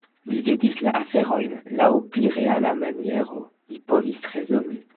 Mi vidis la aferojn laŭ pli reala maniero; mi povis rezoni.